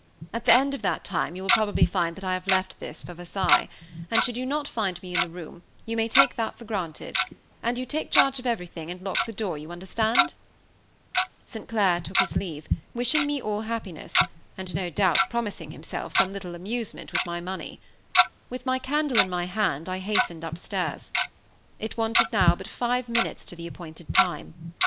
At the end of that time you will probably find that I have left this for Versailles; and should you not find me in the room, you may take that for granted; and you take charge of everything, and lock the door, you understand?" St. Clair took his leave, wishing me all happiness, and no doubt promising himself some little amusement with my money. With my candle in my hand, I hastened upstairs. It wanted now but five minutes to the appointed time.